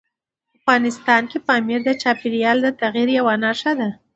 افغانستان کې پامیر د چاپېریال د تغیر یوه نښه ده.